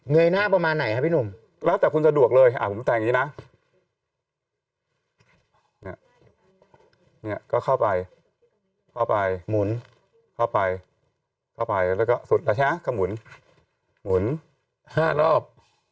ยหน้าประมาณไหนครับพี่หนุ่มแล้วแต่คุณสะดวกเลยผมแต่งอย่างนี้นะเนี่ยก็เข้าไปเข้าไปหมุนเข้าไปเข้าไปแล้วก็สุดแล้วใช่ไหมก็หมุนหมุน๕รอบ